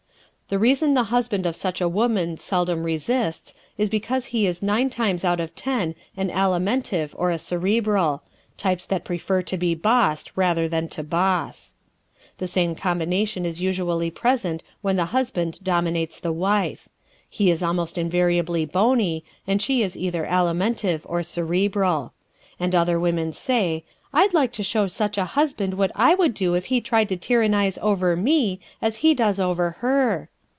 The reason the husband of such a woman seldom resists is because he is nine times out of ten an Alimentive or a Cerebral types that prefer to be bossed rather than to boss. The same combination is usually present when the husband dominates the wife. He is almost invariably bony and she is either Alimentive or Cerebral. And other women say, "I'd like to show such a husband what I would do if he tried to tyrannize over ME as he does over her!"